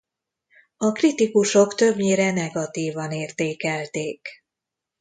A kritikusok többnyire negatívan értékelték.